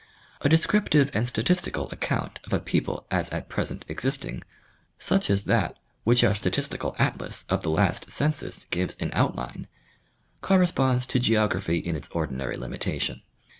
A descriptive and statisti cal account of a people as at present existing, such as that which our statistical atlas of the last Census gives in outline, corre sponds to geography in its ordinary limitation.